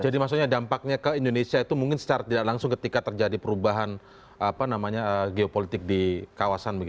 jadi maksudnya dampaknya ke indonesia itu mungkin secara tidak langsung ketika terjadi perubahan geopolitik di kawasan